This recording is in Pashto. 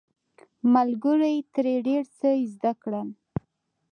ملګرو یې ترې ډیر څه زده کړل.